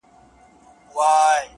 وموږ تې سپكاوى كاوه زموږ عزت يې اخيست.